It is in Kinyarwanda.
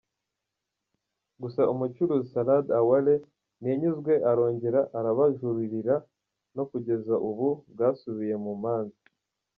Gusa umucuruzi Salad Awale ntiyanyuzwe arongera arabujuririra no kugeza ubu bwasubiye mu manza.